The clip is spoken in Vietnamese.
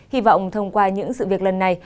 hy vọng thông qua những sự việc lần này